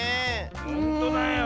ほんとだよ。